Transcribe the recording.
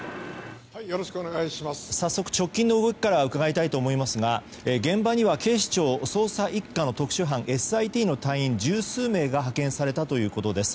早速直近の動きから伺いたいと思いますが現場には警視庁捜査１課の特殊班ＳＩＴの隊員十数名が派遣されたということです。